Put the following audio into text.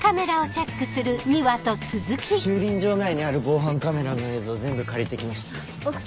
駐輪場内にある防犯カメラの映像全部借りて来ました。ＯＫ。